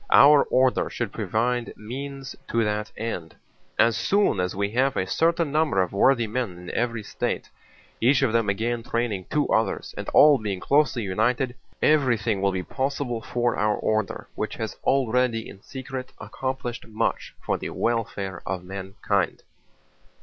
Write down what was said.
Our order should provide means to that end. "As soon as we have a certain number of worthy men in every state, each of them again training two others and all being closely united, everything will be possible for our order, which has already in secret accomplished much for the welfare of mankind."